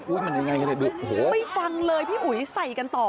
อุ๊ยมันยังไงไปฟังเลยพี่อุ๋ยใส่กันต่อ